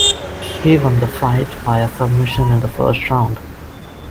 He won the fight via submission in the first round.